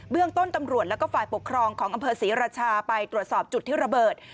เรื่องต้นตำรวจแล้วก็ฝ่ายปกครองของอำเภอศรีราชาไปตรวจสอบจุดที่ระเบิด